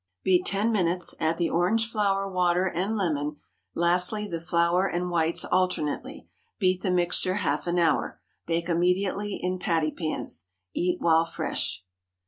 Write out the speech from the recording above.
Beat ten minutes, add the orange flower water and lemon; lastly, the flour and whites alternately. Beat the mixture half an hour. Bake immediately in patty pans. Eat while fresh.